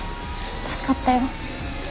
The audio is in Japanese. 助かったよ。